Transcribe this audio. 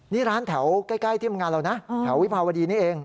นี่ร้านแถวใกล้เที่ยงงานเรานะแถววิภาวดีนี่เอง